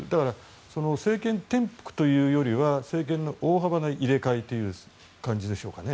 政権転覆というよりは政権の大幅な入れ替えという感じでしょうかね。